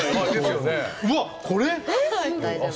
うわっこれ！？